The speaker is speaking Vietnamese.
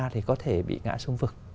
thì có thể bị ngã xuống vực